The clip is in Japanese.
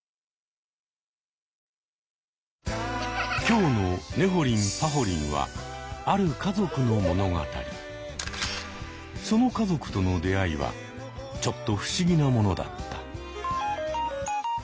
今日の「ねほりんぱほりん」はその家族との出会いはちょっと不思議なものだった。